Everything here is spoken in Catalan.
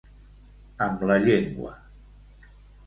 Amb la llengua.